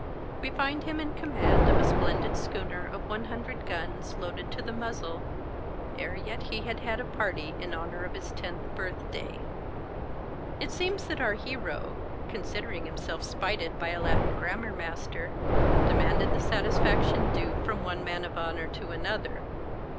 We find him in command of a splendid schooner of one hundred guns loaded to the muzzle, ere yet he had had a party in honour of his tenth birthday. It seems that our hero, considering himself spited by a Latin grammar master, demanded the satisfaction due from one man of honour to another.